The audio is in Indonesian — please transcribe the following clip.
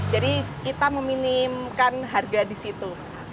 jadi kita meminimkan harga di situ